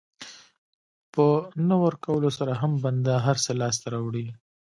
په نه ورکولو سره هم بنده هر څه لاسته راوړي.